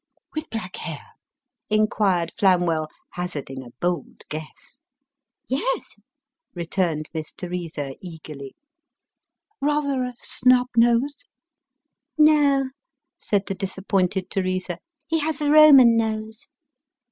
" With black hair ?" inquired Flamwell, hazarding a bold guess. " Yes," returned Miss Teresa, eagerly. " Rather a snub nose ?"" No," said the disappointed Teresa, " he has a Roman nose."